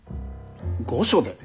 御所で！？